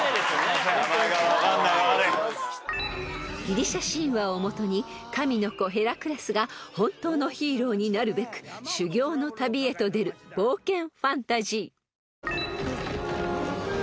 ［ギリシャ神話をもとに神の子ヘラクレスが本当のヒーローになるべく修行の旅へと出る冒険ファンタジー］